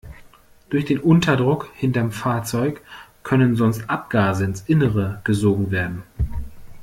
Durch den Unterdruck hinterm Fahrzeug können sonst Abgase ins Innere gesogen werden.